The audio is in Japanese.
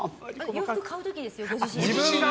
洋服買う時ですよ、ご自身の。